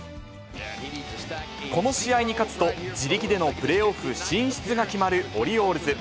この試合に勝つと、自力でのプレーオフ進出が決まるオリオールズ。